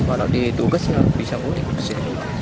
kalau ditugas bisa boleh bersihkan